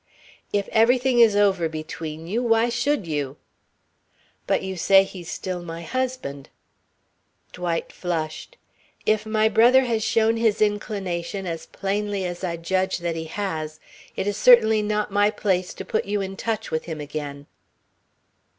"If everything is over between you, why should you?" "But you say he's still my husband." Dwight flushed. "If my brother has shown his inclination as plainly as I judge that he has, it is certainly not my place to put you in touch with him again."